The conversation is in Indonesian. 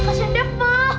kasian dev ma